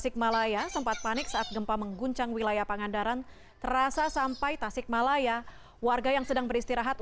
ini sekali sangat